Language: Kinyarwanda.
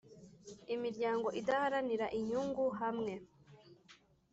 Imiryango idaharanira inyungu hamwe